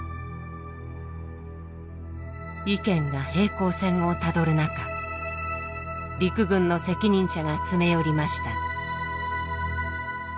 意見が平行線をたどる中陸軍の責任者が詰め寄りました。